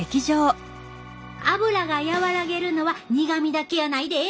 アブラが和らげるのは苦みだけやないで。